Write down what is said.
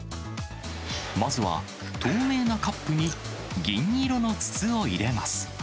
まずは透明なカップに銀色の筒を入れます。